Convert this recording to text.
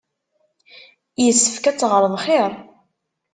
Yessefk ad teɣreḍ xir.